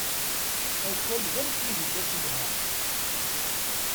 Akal d amtiweg asewham.